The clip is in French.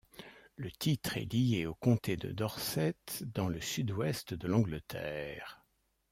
Le titre est lié au comté de Dorset dans le sud-ouest de l'Angleterre.